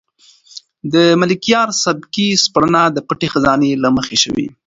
د ملکیار سبکي سپړنه د پټې خزانې له مخې شوې.